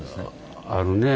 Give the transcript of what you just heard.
あるねえ。